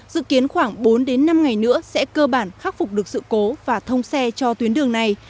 dự kiến khoảng bốn đến năm ngày nữa sẽ cơ bản khắc phục được sự cố và thông xe cho tuyến đường này